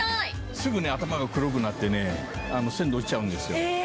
すぐ頭が黒くなって鮮度落ちちゃうんですよ。